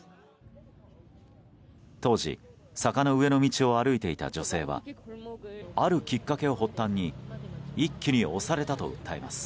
当時、坂の上の道を歩いていた女性はあるきっかけを発端に一気に押されたと訴えます。